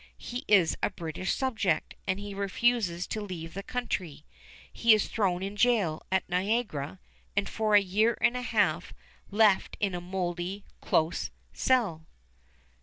He is a British subject, and he refuses to leave the country. He is thrown in jail at Niagara, and for a year and a half left in a moldy, close cell.